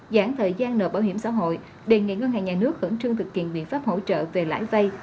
giãn thời gian nợ bảo hiểm xã hội đề nghị ngân hàng nhà nước khẩn trương thực hiện biện pháp hỗ trợ về lãi vay